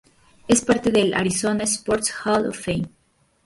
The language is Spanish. Es parte del "Arizona Sports Hall Of Fame".